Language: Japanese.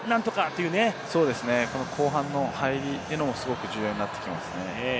後半の入り、重要になってきますね。